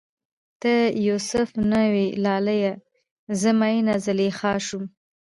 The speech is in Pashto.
ته یو سف نه وی لالیه، زه میینه زلیخا شوم